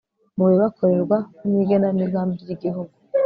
mu bibakorerwa no mu igenamigambi ry igihugu